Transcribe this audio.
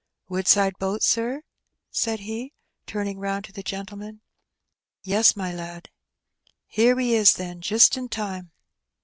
Woodaide boat, sir?" said he, tiiming roand to the )Ieman. Yes, my lad." " Here we is, then, jist in time."